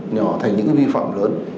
nhỏ thành những vi phạm lớn